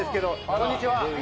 こんにちは。